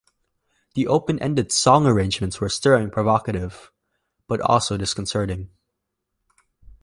The open-ended song arrangements were stirring and provocative, but also disconcerting.